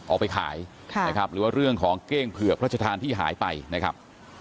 เอาไปขายนะครับหรือว่าเรื่องของเก้งเผือกพระชธานที่หายไปนะครับ